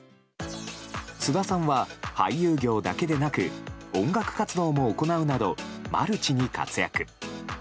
菅田さんは、俳優業だけでなく音楽活動も行うなどマルチに活躍。